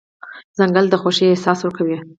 ځنګل د خوښۍ احساس ورکوي.